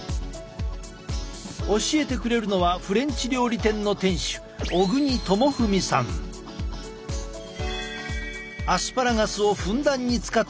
教えてくれるのはフレンチ料理店の店主アスパラガスをふんだんに使ったコース